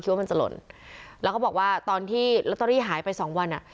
ว่ามันจะหล่นแล้วก็บอกว่าตอนที่ลอตเตอรี่หายไปสองวันอ่ะ